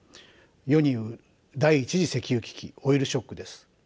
世にいう第１次石油危機オイルショックです。